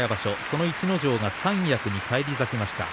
その逸ノ城が三役に返り咲きました。